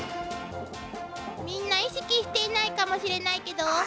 みんな意識していないかもしれないけど。